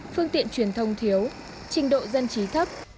phương tiện truyền thông thiếu trình độ dân trí thấp